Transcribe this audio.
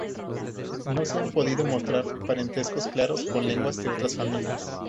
No se han podido mostrar parentescos claros con lenguas de otras familias.